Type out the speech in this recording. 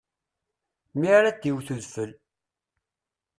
Mi ara d-iwwet udfel.